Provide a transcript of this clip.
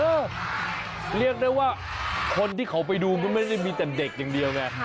เรียกได้ว่าคนที่เขาไปดูมันไม่ได้มีแต่เด็กอย่างเดียวไง